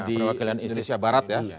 di indonesia barat ya